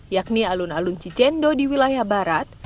yakni alun alun cicendo di wilayah barat